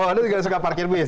anda juga suka parkir bis